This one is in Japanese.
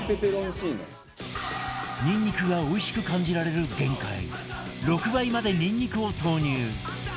にんにくがおいしく感じられる限界６倍までにんにくを投入